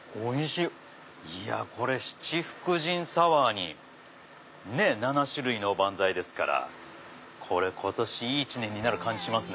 いや七福神サワーに７種類のお番菜ですから今年いい一年になる感じしますね。